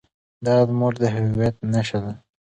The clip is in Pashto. دا زموږ د هویت نښه ده.